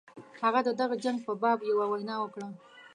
هغه د دغه جنګ په باب یوه وینا وکړه.